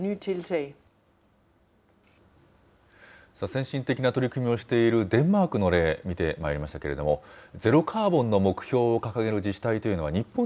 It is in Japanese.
先進的な取り組みをしているデンマークの例、見てまいりましたけれども、ゼロカーボンの目標を掲げる自治体というのは、日本